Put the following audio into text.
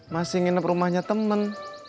masih nginep rumahnya temen